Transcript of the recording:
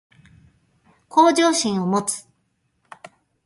向上心を持つ